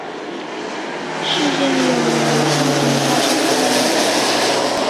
事件有人批评她是故意。